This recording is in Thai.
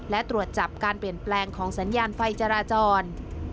และตรวจจับการเปลี่ยนแปลงของสัญญาณไฟจราจร